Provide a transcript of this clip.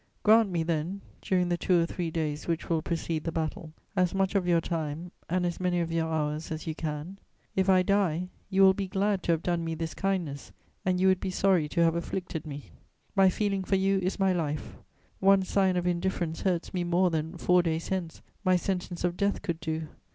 Grant me then, during the two or three days which will precede the battle, as much of your time and as many of your hours as you can. If I die, you will be glad to have done me this kindness and you would be sorry to have afflicted me. My feeling for you is my life; one sign of indifference hurts me more than, four days hence, my sentence of death could do.